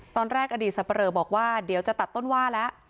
ตอนแรกอดีตสับปะเรอบอกว่าเดี๋ยวจะตัดต้นว่าแล้ว